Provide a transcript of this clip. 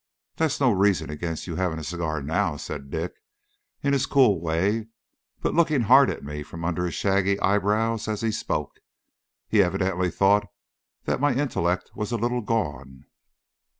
"That's no reason against your having a cigar now," said Dick, in his cool way, but looking hard at me from under his shaggy eyebrows as he spoke. He evidently thought that my intellect was a little gone.